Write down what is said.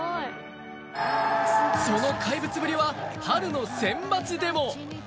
その怪物ぶりは春のセンバツでも。